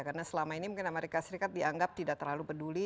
karena selama ini mungkin amerika serikat dianggap tidak terlalu peduli